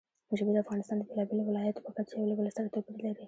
ژبې د افغانستان د بېلابېلو ولایاتو په کچه یو له بل سره توپیر لري.